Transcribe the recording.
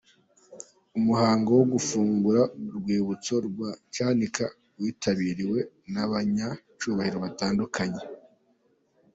Umuhango wo gufungura urwibutso rwa Cyanika witabiriwe n’abanyacyubahiro batandukanye.